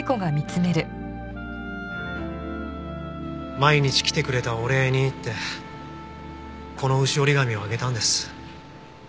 毎日来てくれたお礼にってこの牛折り紙をあげたんです。